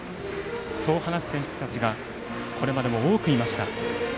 そう話す選手たちがこれまでも多くいました。